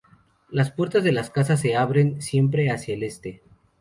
Las puertas de las casas se abren siempre hacia el este.